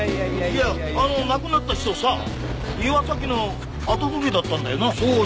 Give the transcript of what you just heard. いやあの亡くなった人さ岩崎の跡取りだったんだよな。